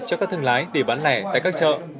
cho các thương lái để bán lẻ tại các chợ